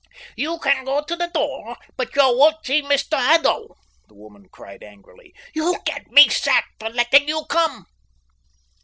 "You can go to the door, but you won't see Mr Haddo," the woman cried angrily. "You'll get me sacked for letting you come."